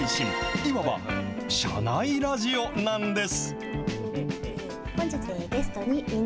今は社内ラジオなんです。